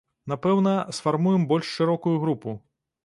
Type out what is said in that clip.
Напэўна, сфармуем больш шырокую групу.